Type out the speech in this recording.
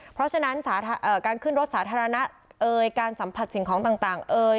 เพราะฉะนั้นการขึ้นรถสาธารณะเอ่ยการสัมผัสสิ่งของต่างเอ่ย